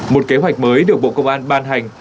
một kế hoạch mới được bộ công an ban hành